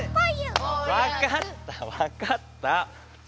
わかったわかった！